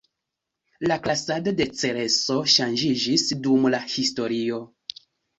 La klasado de Cereso ŝanĝiĝis dum la historio.